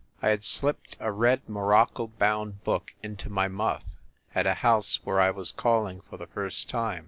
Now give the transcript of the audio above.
I had slipped a red morocco bound book into my muff, at a house where I was calling for the first time.